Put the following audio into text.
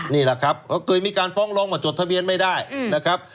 นี่แหละครับก็เคยมีการฟ้องร้องว่าจดทะเบียนไม่ได้นะครับ